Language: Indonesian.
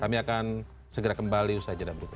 kami akan segera kembali usai cerita berikutnya